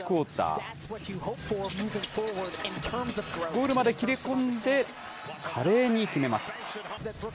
ゴールまで切り込んで、華麗に決めます。